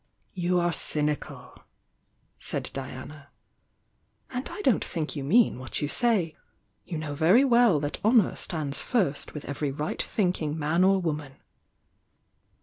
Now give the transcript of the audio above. "You are cynical," said Diana. "And I don't think you mean what you say. You know very well that honour stands first with every right thinking man or woman."